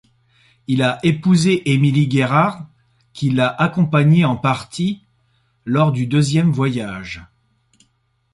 Il épousé Emilie Gerhard, qui l’a accompagné en partie lors du deuxième voyage.